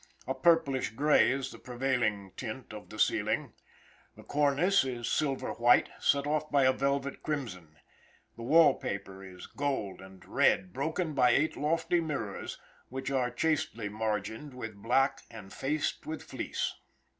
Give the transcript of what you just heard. A purplish gray is the prevailing tint of the ceiling. The cornice is silver white, set off by a velvet crimson. The wall paper is gold and red, broken by eight lofty mirrors, which are chastely margined with black and faced with fleece.